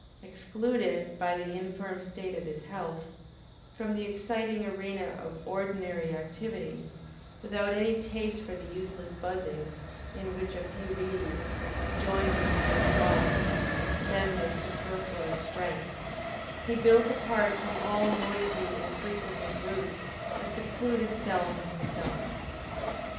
Excluded, by the infirm state of his health, from the exciting arena of ordinary activity, without any taste for the useless buzzing, in which a few bees, joined with many wasps, expend their superfluous strength, he built apart from all noisy and frequented routes a secluded cell for himself.